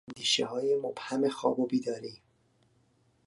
اندیشههای مبهم خواب و بیداری